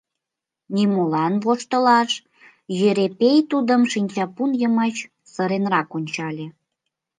— Нимолан воштылаш, — Йӧрепей тудым шинчапун йымач сыренрак ончале.